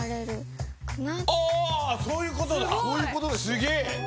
すげえ！